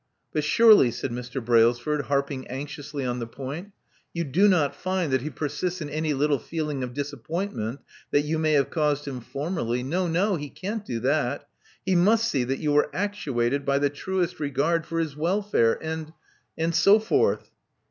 " But surely," said Mr. Brailsford, harping anxiously on the point, you do not find that he persists in any little feeling of disappointment that you may have caused him formerly. No, no: he can't do that He must see that you were actuated by the truest regard for his welfare and — and so forth."